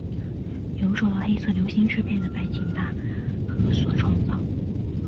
由受到黑色流星支配的白井大和所创造。